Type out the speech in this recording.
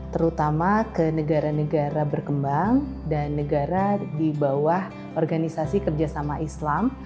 terutama ke negara negara berkembang dan negara di bawah organisasi kerjasama islam